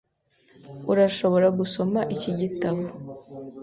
Urashobora gusoma iki gitabo .